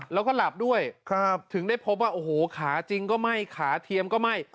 แล้วก็หลับด้วยถึงได้พบว่าโอ้โหขาจริงก็ไหม้ขาเทียมก็ไหม้